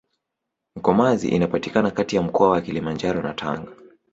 mkomazi inapatikana Kati ya mkoa wa kilimanjaro na tanga